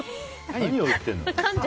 何を言ってるの？